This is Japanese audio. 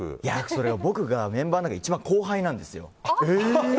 それが、僕がメンバーの中で一番後輩なんですよ。